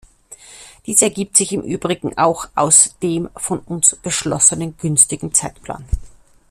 Dies ergibt sich im übrigen auch aus dem von uns beschlossenen günstigen Zeitplan.